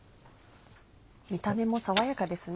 見た目も爽やかですね。